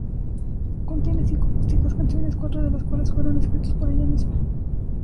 Contiene cinco acústicas canciones, cuatro de los cuales fueron escritos por ella misma.